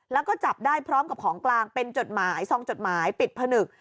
แล้วก็จับได้พร้อมกับของกลางเป็นจดหมายซองจดหมายปิดผนึก